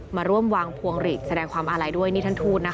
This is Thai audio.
มาร่วมวางพวงหลีกแสดงความอาลัยด้วยนี่ท่านทูตนะคะ